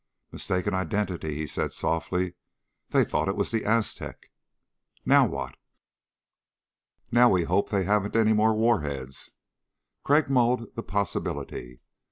"Mistaken identity," he said softly. "They thought it was the Aztec." "Now what?" "Now we hope they haven't any more warheads." Crag mulled the possibility.